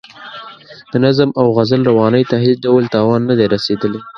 د نظم او غزل روانۍ ته هېڅ ډول تاوان نه دی رسیدلی.